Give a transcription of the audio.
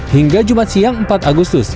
hingga jumat siang empat agustus